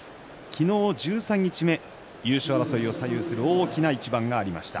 昨日十三日目、優勝争いを左右する大きな一番がありました。